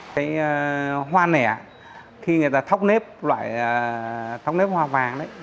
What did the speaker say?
cái hoa nẻ khi người ta thóc nếp loại hoa vàng đấy